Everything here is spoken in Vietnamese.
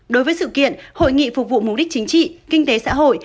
đối với sự kiện hội nghị phục vụ mục đích chính trị kinh tế xã hội